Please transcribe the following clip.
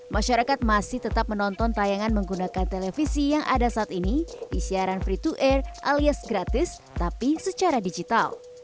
masyarakat masih tetap menonton tayangan menggunakan televisi yang ada saat ini di siaran free to air alias gratis tapi secara digital